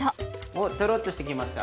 おっトロッとしてきました。